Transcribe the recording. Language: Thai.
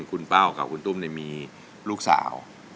คุณเป้ากับคุณตุ้มมีลูกสาว